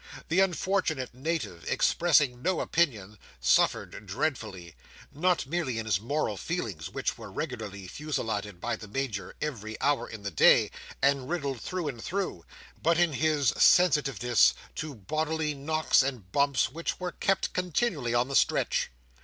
The unfortunate Native, expressing no opinion, suffered dreadfully; not merely in his moral feelings, which were regularly fusilladed by the Major every hour in the day, and riddled through and through, but in his sensitiveness to bodily knocks and bumps, which was kept continually on the stretch.